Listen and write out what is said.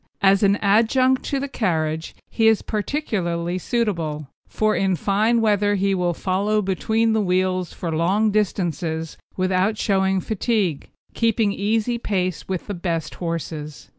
As an adjunct to the carriage he is peculiarly suitable, for in fine weather he will follow between the wheels for long distances without showing fatigue, keeping easy pace with the best horses.